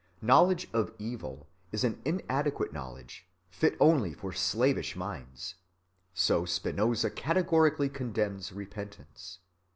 Knowledge of evil is an "inadequate" knowledge, fit only for slavish minds. So Spinoza categorically condemns repentance.